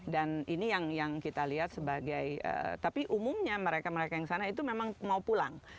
dan ini yang kita lihat sebagai tapi umumnya mereka mereka yang sana itu memang mau pulang